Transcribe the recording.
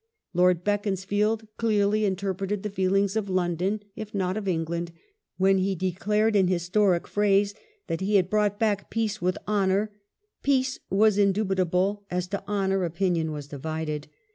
Lord Beaconsfield clearly interpreted the feelings of London, if not of England, when he declared, in historic * phrase, that he had brought back " Peace with Honour *'." Peace " was indubitable : as to *' Honour " opinion was divided.